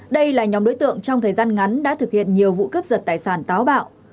đây là nhóm đối tượng trong thời gian ngắn đã thực hiện nhiều vụ cướp giật tài sản táo bạo